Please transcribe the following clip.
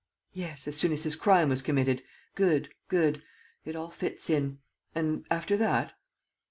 "Yes, as soon as his crime was committed. Good. ... Good. ... It all fits in. ... And, after that?"